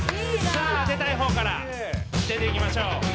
さあ出たい方から出ていきましょう！